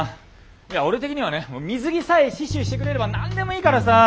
いや俺的にはね水着さえ死守してくれれば何でもいいからさあ。